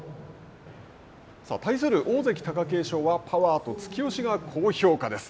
対する大関・貴景勝はパワーと突き押しが高評価です。